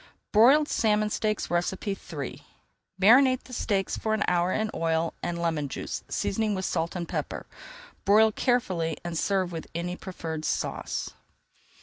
BROILED SALMON STEAKS III Marinate the steaks for an hour in oil and lemon juice, seasoning with salt and pepper. Broil carefully and serve with any preferred sauce.